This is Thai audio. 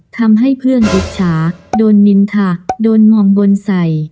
ทำให้เพื่อนอิจฉาโดนนินค่ะโดนมองบนใส่